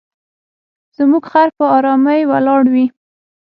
زموږ خر په آرامۍ ولاړ وي.